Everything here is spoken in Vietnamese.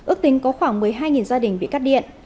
ước tính có khoảng một mươi hai gia đình bị cắt điện